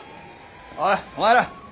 おいお前ら。